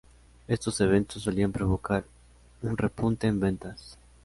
Estos eventos solían provocar un repunte en ventas.